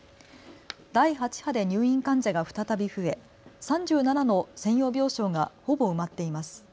第８波で入院患者が再び増え３７の専用病床がほぼ埋まっています。